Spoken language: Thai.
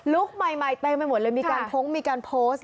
ใหม่เต็มไปหมดเลยมีการพงมีการโพสต์